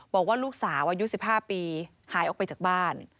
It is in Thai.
บอกว่าลูกสาวอายุ๑๕ปีหายออกไปจากบ้าน